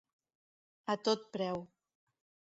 A tot preu.